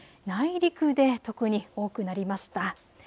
内陸で特に多くなりました。